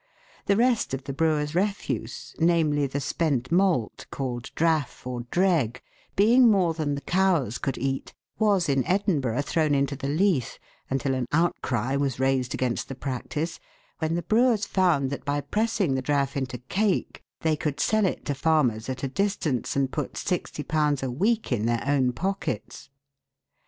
The rest of the brewer's refuse, namely the spent malt, called " draff" or " dreg/' being more than the cows could eat, was in Edinburgh thrown into the Leith, until an outcry was raised against the practice, when the brewers found that by pressing the "draff" into cake they could sell it to farmers at a distance, and put 60 a week in their own pockets.